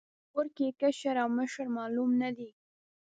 کور کې کشر او مشر معلوم نه دی.